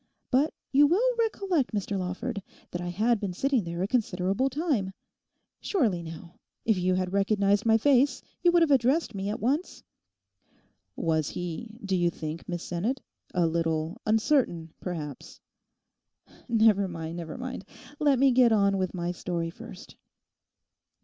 But you will recollect, Mr Lawford, that I had been sitting there a considerable time. Surely, now, if you had recognised my face you would have addressed me at once?' 'Was he, do you think, Miss Sinnet, a little uncertain, perhaps?' 'Never mind, never mind; let me get on with my story first.